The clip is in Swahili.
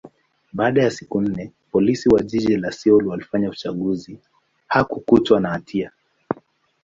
baada ya siku nne, Polisi wa jiji la Seoul walifanya uchunguzi, hakukutwa na hatia.